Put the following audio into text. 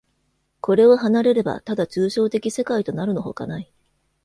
これを離れれば、ただ抽象的世界となるのほかない。